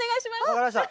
分かりました。